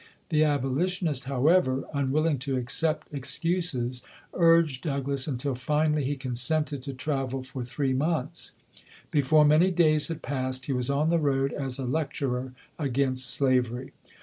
The abolitionist, however, unwilling to accept excuses, urged Douglass until finally he consented to travel for three months. Before many days had passed he was on the road as a lecturer against slavery.